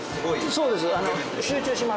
そうです。